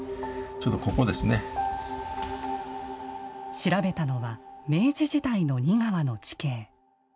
調べたのは明治時代の仁川の地形。